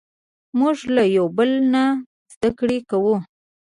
موږ له یو بل نه زدهکړه کوو.